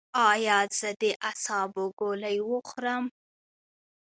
ایا زه د اعصابو ګولۍ وخورم؟